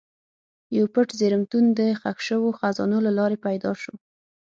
یو پټ زېرمتون د ښخ شوو خزانو له لارې پیدا شو.